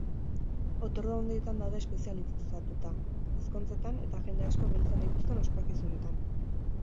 Otordu handietan daude espezializatuta, ezkontzetan eta jende asko biltzen dituzten ospakizunetan.